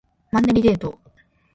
マンネリデート